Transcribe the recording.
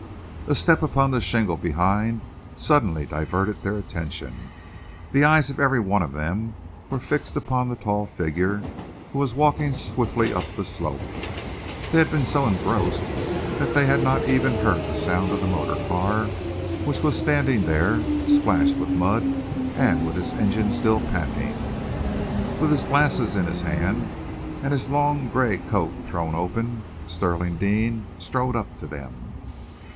A step upon the shingle behind suddenly diverted their attention. The eyes of every one of them were fixed upon the tall figure who was walking swiftly up the slope. They had been so engrossed that they had not even heard the sound of the motor car which was standing there, splashed with mud, and with its engine still panting. With his glasses in his hand, and his long gray coat thrown open, Stirling Deane strode up to them.